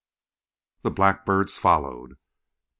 The blackbirds followed.